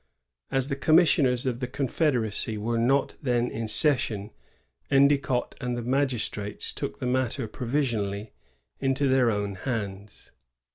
As the commissioners of the confed eracy were not then in session, Endicott and the magistrates took the matter provisionally into their own hands.